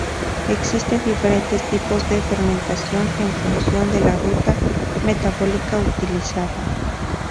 Existen diferentes tipos de fermentación en función de la ruta metabólica utilizada.